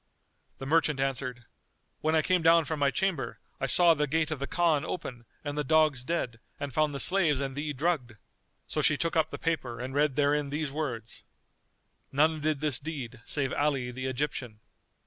The merchant answered, "When I came down from my chamber I saw the gate of the Khan open and the dogs dead and found the slaves and thee drugged." So she took up the paper and read therein these words, "None did this deed save Ali the Egyptian."